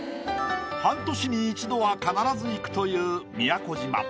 半年に一度は必ず行くという宮古島。